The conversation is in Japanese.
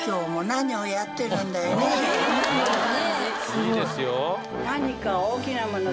いいですよ。